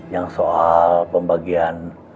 yang soal pembagian